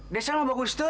desi yang bagus tuh